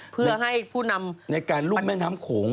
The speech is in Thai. เพื่อให้ผู้นำในการรุ่มแม่น้ำโขง